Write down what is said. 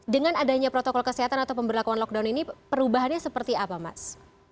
dengan adanya protokol kesehatan atau pemberlakuan lockdown ini perubahannya seperti apa mas